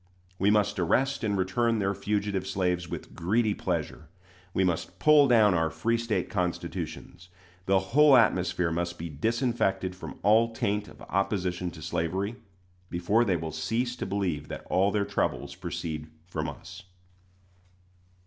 We must arrest and return their fugitive slaves with greedy pleasure. We must pull down our free State constitutions. The whole atmosphere must be disinfected from all taint of opposition to slavery, before they will cease to believe that all their troubles proceed from us.